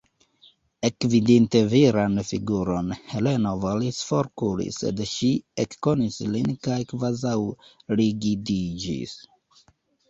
Ekvidinte viran figuron, Heleno volis forkuri, sed ŝi ekkonis lin kaj kvazaŭ rigidiĝis.